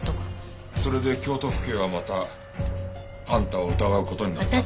それで京都府警はまたあんたを疑う事になった。